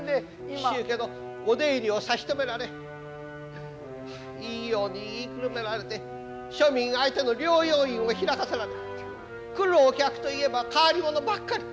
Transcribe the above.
紀州家のお出入りを差し止められいいように言いくるめられて庶民相手の療養院を開かせられ来るお客といえば変わり者ばっかり。